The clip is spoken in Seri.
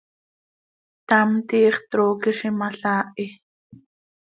Ctam, tiix trooqui z imalaahi.